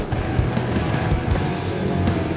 gak ada yang mau ngomong